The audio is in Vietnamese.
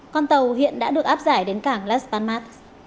con tàu hiện đã được áp giải đến cảng las palmas